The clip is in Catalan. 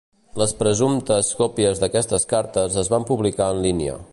Les presumptes còpies d'aquestes cartes es van publicar en línia.